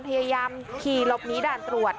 พยายามขี่หลบหนีด่านตรวจ